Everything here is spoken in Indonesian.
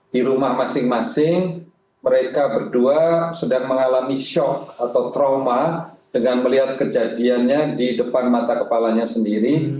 di rumah masing masing mereka berdua sedang mengalami shock atau trauma dengan melihat kejadiannya di depan mata kepalanya sendiri